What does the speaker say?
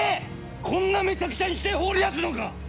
こんなめちゃくちゃにして放り出すのか！